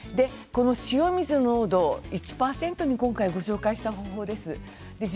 塩水濃度１％今回ご紹介した方法です。